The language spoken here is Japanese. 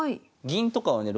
銀とかはね